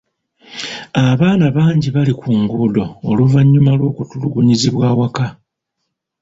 Abaana bangi bali ku nguudo oluvannyuma lw'okutulugunyizibwa awaka.